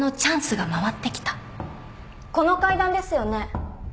この階段ですよね。